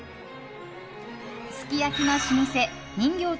すき焼きの老舗人形町